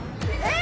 え！